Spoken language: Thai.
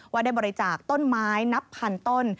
ได้บริจาคต้นไม้นับพันต้น